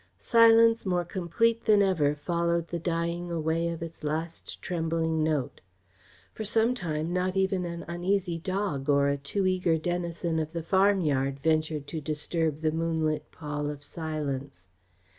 Silence more complete than ever followed the dying away of its last trembling note. For some time not even an uneasy dog or a too eager denizen of the farmyard ventured to disturb the moonlit pall of silence.